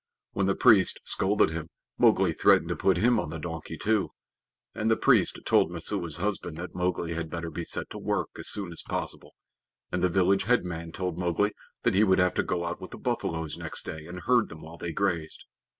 When the priest scolded him, Mowgli threatened to put him on the donkey too, and the priest told Messua's husband that Mowgli had better be set to work as soon as possible; and the village head man told Mowgli that he would have to go out with the buffaloes next day, and herd them while they grazed.